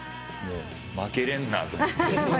負けれんなと思って。